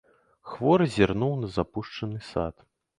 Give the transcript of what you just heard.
Хворы зірнуў на запушчаны сад.